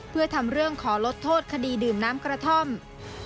เพื่อทำเรื่องขอลดโทษคดีดื่มน้ำกระท่อม